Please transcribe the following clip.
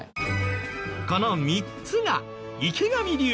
この３つが池上流